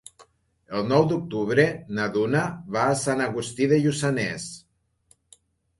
El nou d'octubre na Duna va a Sant Agustí de Lluçanès.